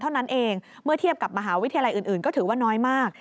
เท่านั้นเองเมื่อเทียบกับมหาวิทยาลัยอื่นก็ถือว่าน้อยมาก